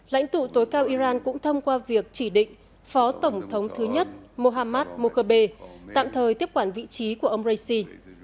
lãnh tụ tối cao iran cũng thông qua việc chỉ định phó tổng thống thứ nhất mohammad mokhebe tạm thời tiếp quản vị trí của ông raisi